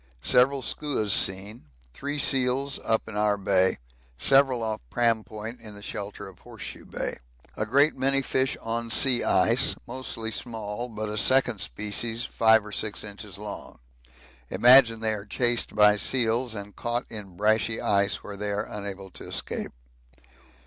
Several skuas seen three seals up in our Bay several off Pram Point in the shelter of Horse Shoe Bay. A great many fish on sea ice mostly small, but a second species 5 or 6 inches long: imagine they are chased by seals and caught in brashy ice where they are unable to escape.